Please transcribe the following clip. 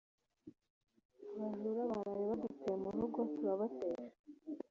Abajura baraye baduteye murugo turabatesha